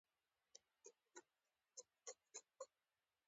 ژاوله د خولې تازه کولو لپاره کارېږي.